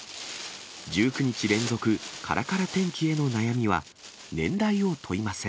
１９日連続からから天気への悩みは、年代を問いません。